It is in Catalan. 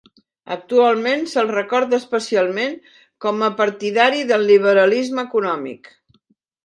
Actualment, se'l recorda especialment com a partidari del liberalisme econòmic.